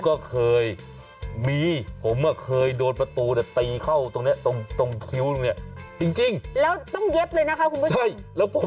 ผมก็เคยมีผมเคยโดนประตูแต่ตีเข้าตรงนี้ตรงคิ้วนึงนี่